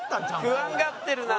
不安がってるな。